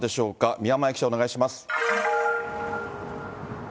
宮前記者、お願いします。